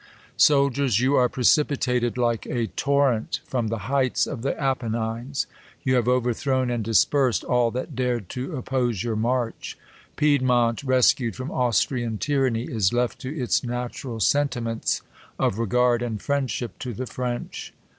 / Soldiers, "\7'0U arc precipitated like a torrent from the X heights of the Appenines ; you have overthrown and dispersed all that dared to oj^pose your march. Piedmont, rescued from Austrian tyranny, is left to its natural sentiments of regard and friendship to the French.